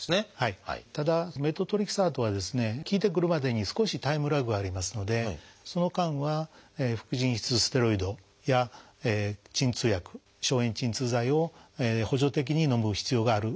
ただメトトレキサートはですね効いてくるまでに少しタイムラグがありますのでその間は副腎皮質ステロイドや鎮痛薬消炎鎮痛剤を補助的にのむ必要がある場合が多いです。